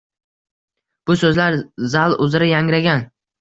Bu so‘zlar zal uzra yangragan